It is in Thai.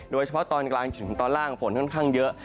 โดยเฉพาะตอนกลางถึงตอนล่างฝนสำคัญเยอะ